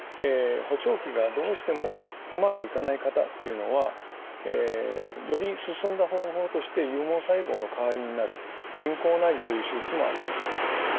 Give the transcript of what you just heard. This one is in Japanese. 補聴器がどうしてもうまくいかない方というのはより進んだ方法として有毛細胞の代わりになる人工内耳という手術もあります。